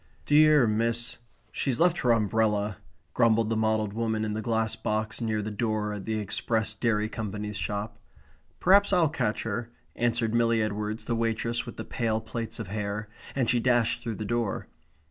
"Dear, miss, she's left her umbrella," grumbled the mottled woman in the glass box near the door at the Express Dairy Company's shop. "Perhaps I'll catch her," answered Milly Edwards, the waitress with the pale plaits of hair; and she dashed through the door.